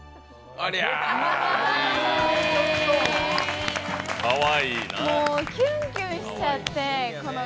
ありゃ、かわいいな。